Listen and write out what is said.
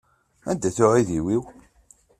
Anda-t uɛewdiw-im?